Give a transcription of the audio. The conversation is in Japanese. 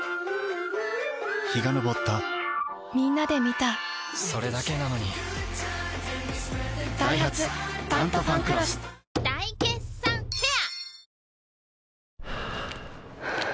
陽が昇ったみんなで観たそれだけなのにダイハツ「タントファンクロス」大決算フェア